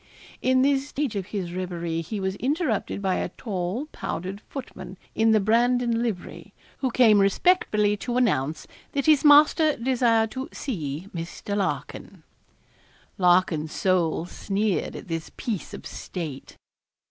In this stage of his reverie he was interrupted by a tall, powdered footman, in the Brandon livery, who came respectfully to announce that his master desired to see Mr. Larkin. Larkin's soul sneered at this piece of state.